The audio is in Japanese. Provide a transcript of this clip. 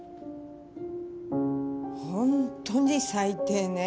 本当に最低ね。